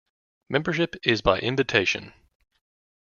Membership is by invitation.